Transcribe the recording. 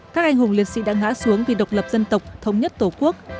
các anh hùng liệt sĩ đã ngã xuống vì độc lập dân tộc thống nhất tổ quốc